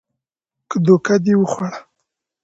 که دوکه دې وخوړه